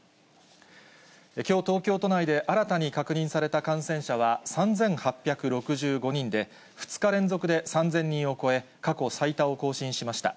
きょう、東京都内で新たに確認された感染者は３８６５人で、２日連続で３０００人を超え、過去最多を更新しました。